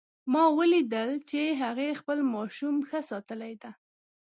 ما ولیدل چې هغې خپل ماشوم ښه ساتلی ده